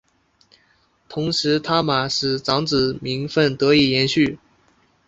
同时他玛使长子名份得以延续。